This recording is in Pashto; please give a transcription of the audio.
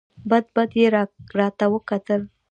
بد بد یې راته وکتل !